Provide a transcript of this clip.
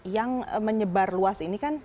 yang menyebar luas ini kan